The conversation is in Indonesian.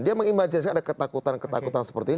dia mengimajinasi ketakutan seperti ini